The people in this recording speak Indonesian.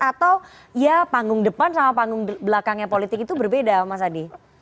atau ya panggung depan sama panggung belakangnya politik itu berbeda mas adi